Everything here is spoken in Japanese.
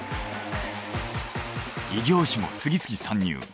異業種も次々参入。